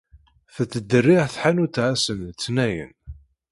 Tettderriɛ tḥanut-a ass n letnayen.